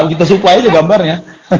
kita supply aja gambarnya